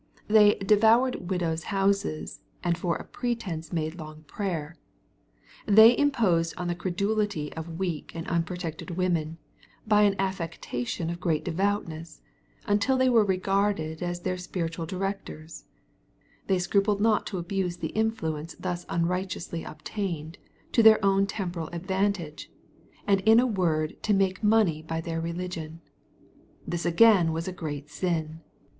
They " devoured widows' houses, and for a pretence made long prayer." ttPhey imposed on the credulity of weak and unprotected women, by an affecta tion of great devoutness,"Nuntil they were regarded as their spiritual directorsy^ They scrupled not to abuse the influence thus unrighteously obtained, to their own temporal advantage, and in a word to make money bv their religion. This again was a great si^l!